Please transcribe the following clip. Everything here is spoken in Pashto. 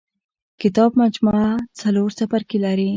کتاب مجموعه څلور څپرکي لري.